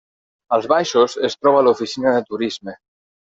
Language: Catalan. Als baixos es troba l'oficina de turisme.